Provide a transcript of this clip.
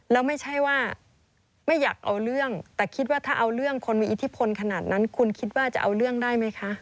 แล้วไม่ใช่ว่าไม่อยากเอาเรื่องแต่คิดว่าถ้าเอาเรื่องคนมีอิทธิพลขนาดนั้นคุณคิดว่าจะเอาเรื่องได้ไหมคะ